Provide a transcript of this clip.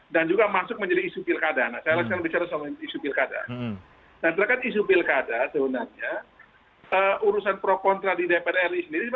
dan juga masuk menjadi isu pilkada saya sel aren world